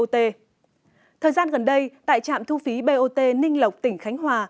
thời gian gần đây tại trạm thu phí bot ninh lộc tỉnh khánh hòa